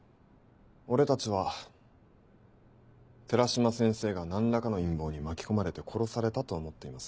俺たちは寺島先生が何らかの陰謀に巻き込まれて殺されたと思っています。